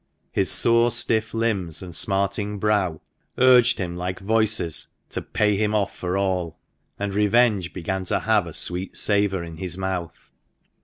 His sore, stiff limbs, and smarting brow, urged him like voices to " pay him off for all," and revenge began to have a sweet savour in his mouth.